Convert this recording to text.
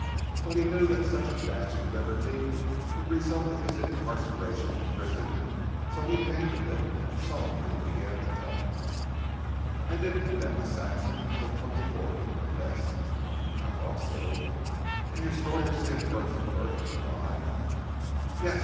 But he knew that such a dash for liberty would result in his incarceration in prison so he abandoned it and sullenly began to talk. "I did come down to Saxham on the twenty fourth," he confessed. "I thought so. And your story of seeing Frith and Frith was a lie." "Yes!